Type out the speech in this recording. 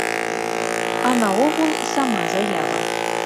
А наогул, сама заява.